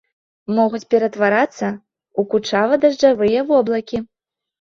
Могуць ператварацца ў кучава-дажджавыя воблакі.